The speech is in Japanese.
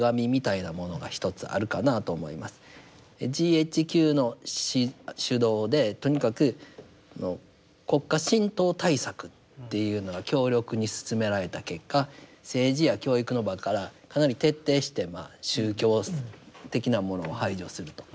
ＧＨＱの主導でとにかく国家神道対策っていうのが強力に進められた結果政治や教育の場からかなり徹底して宗教的なものを排除すると。